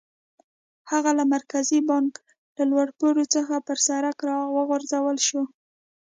هغه له مرکزي بانک له لوړ پوړ څخه پر سړک را وغورځول شو.